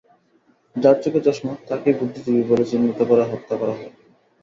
যার চোখে চশমা, তাকেই বুদ্ধিজীবী বলে চিহ্নিত করে হত্যা করা হয়।